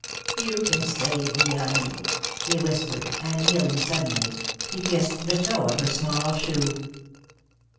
"You can save me, honey," he whispered, and kneeling suddenly, he kissed the toe of her small shoe.